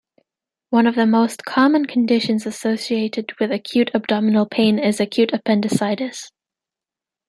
One of the most common conditions associated with acute abdominal pain is acute appendicitis.